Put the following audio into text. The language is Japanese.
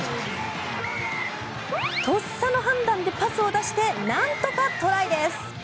とっさの判断でパスを出してなんとかトライです。